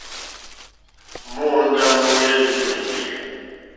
Móǒndá múúŋwɛ̀lɛ̀ mbɛ̀ŋgɛ̀.